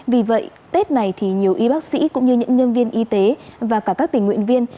vì vậy tết này thì nhiều y bác sĩ cũng như những nhân viên y tế và cả các tình nguyện viên